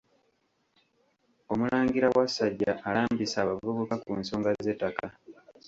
Omulangira Wasajja alambise abavubuka ku nsonga z’ettaka.